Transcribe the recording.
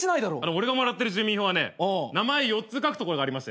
俺がもらってる住民票はね名前４つ書く所がありましてね